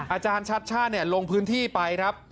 อาจารย์ชัดชาติลงพื้นที่ไปครับ